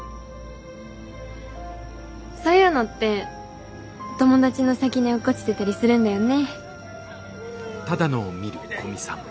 そういうのって友達の先に落っこちてたりするんだよね。